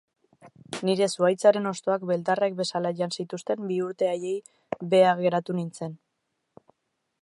Nire zuhaitzaren hostoak beldarrek bezala jan zituzten bi urte haiei beha geratu nintzen.